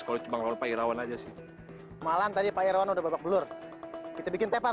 kalau cuma lompat rawan aja sih malam tadi pak irwan udah babak belur kita bikin tepar